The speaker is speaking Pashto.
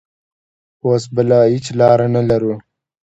اوس بله هېڅ لار نه لرو.